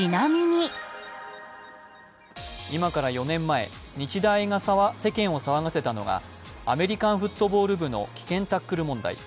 今から４年前、日大が世間を騒がせたのがアメリカンフットボール部の危険タックル問題。